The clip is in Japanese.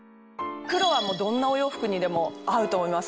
黒はどんなお洋服にでも合うと思います。